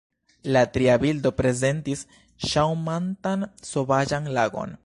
La tria bildo prezentis ŝaŭmantan, sovaĝan lagon.